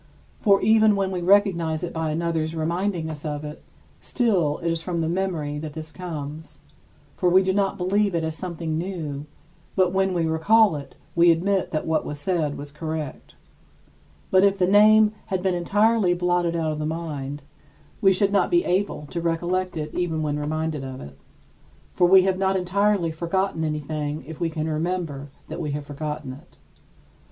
For even when we recognize it by another's reminding us of it, still it is from the memory that this comes, for we do not believe it as something new; but when we recall it, we admit that what was said was correct. But if the name had been entirely blotted out of the mind, we should not be able to recollect it even when reminded of it. For we have not entirely forgotten anything if we can remember that we have forgotten it.